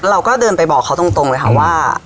เราก็เดินไปบอกเขาตรงเลยค่ะว่า